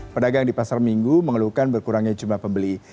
pedagang di pasar minggu mengeluhkan berkurangnya jumlah pembeli